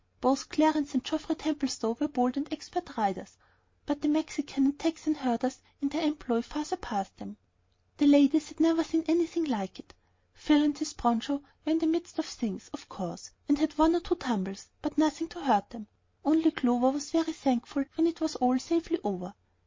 Both Clarence and Geoffrey Templestowe were bold and expert riders; but the Mexican and Texan herders in their employ far surpassed them. The ladies had never seen anything like it. Phil and his broncho were in the midst of things, of course, and had one or two tumbles, but nothing to hurt them; only Clover was very thankful when it was all safely over.